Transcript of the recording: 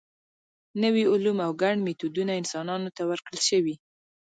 نوي علوم او ګڼ میتودونه انسانانو ته ورکړل شوي.